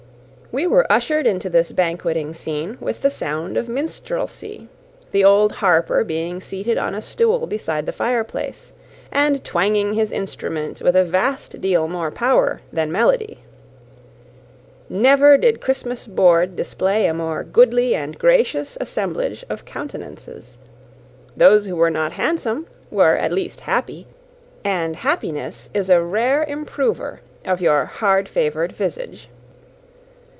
We were ushered into this banqueting scene with the sound of minstrelsy, the old harper being seated on a stool beside the fireplace, and twanging his instrument with a vast deal more power than melody. Never did Christmas board display a more goodly and gracious assemblage of countenances; those who were not handsome were, at least, happy; and happiness is a rare improver of your hard favoured visage.